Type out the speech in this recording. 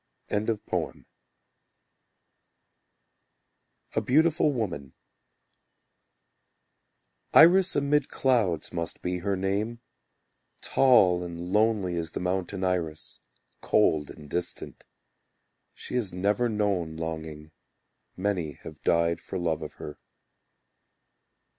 A Beautiful Woman Iris amid clouds Must be her name. Tall and lonely as the mountain iris, Cold and distant. She has never known longing: Many have died for love of her.